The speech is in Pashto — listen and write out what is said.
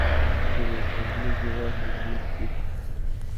سوله د ټولنیز یووالي لامل کېږي.